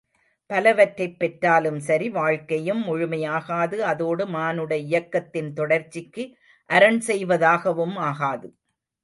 பலவற்றைப் பெற்றாலும் சரி வாழ்க்கையும் முழுமை ஆகாது அதோடு மானுட இயக்கத்தின் தொடர்ச்சிக்கு அரண் செய்வதாகவும் ஆகாது.